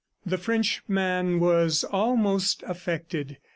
The Frenchman was almost affected.